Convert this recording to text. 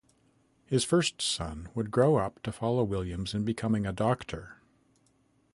His first son would grow up to follow Williams in becoming a doctor.